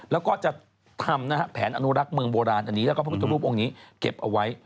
แล้วก็จะทำนะฮะแผนอนุรักษ์เมืองโบราณอันนี้แล้วก็พระพุทธรูปองค์นี้เก็บเอาไว้